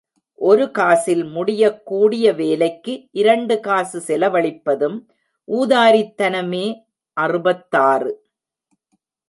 ஒரு காசில் முடியக்கூடிய வேலைக்கு இரண்டு காசு செலவழிப்பதும் ஊதாரித்தனமே! அறுபத்தாறு.